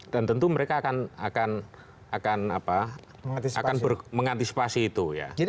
dan tentu mereka akan mengantisipasi itu